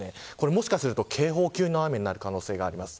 もしかすると警報級の雨になる可能性もあります。